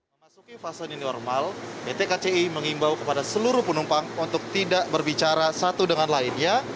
memasuki fase new normal pt kci mengimbau kepada seluruh penumpang untuk tidak berbicara satu dengan lainnya